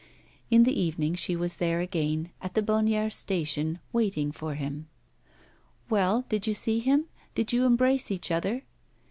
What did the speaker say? In the evening she was there again, at the Bonnières Station, waiting for him. 'Well, did you see him? did you embrace each other?